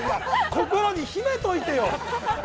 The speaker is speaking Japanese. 心に秘めておいてよ。